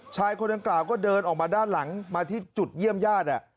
ชายคนดังกล่าวก็เดินออกมาด้านหลังมาที่จุดเยี่ยมญาติ